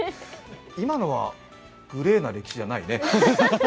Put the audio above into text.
今のは、グレーな歴史じゃないね。